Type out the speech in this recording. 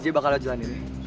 aj bakal ajalan diri